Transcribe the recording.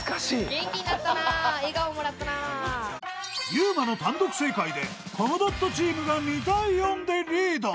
［ゆうまの単独正解でコムドットチームが２対４でリード］